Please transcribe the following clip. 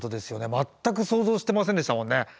全く想像してませんでしたもんね。